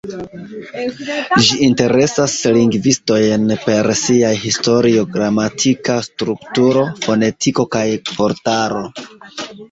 Ĝi interesas lingvistojn per siaj historio, gramatika strukturo, fonetiko kaj vortaro.